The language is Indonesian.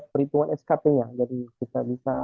perhitungan skp nya jadi kita bisa